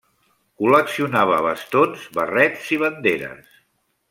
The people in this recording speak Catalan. Col·leccionava bastons, barrets i banderes.